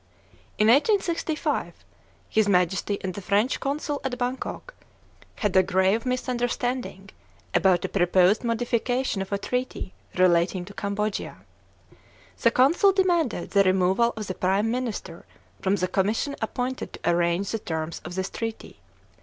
In 1865, his Majesty and the French Consul at Bangkok had a grave misunderstanding about a proposed modification of a treaty relating to Cambodia. The consul demanded the removal of the prime minister from the commission appointed to arrange the terms of this treaty.